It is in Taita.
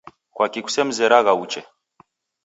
Kwaki kusemzeragha uche